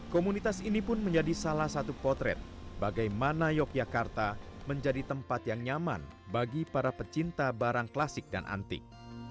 komunitas ini pun menjadi salah satu potret bagaimana yogyakarta menjadi tempat yang nyaman bagi para pecinta barang klasik dan antik